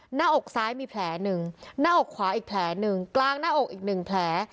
หน้าอกซ้ายมีแผลหนึ่งหน้าอกขวาอีกแผลหนึ่งกลางหน้าอกอีกหนึ่งแผล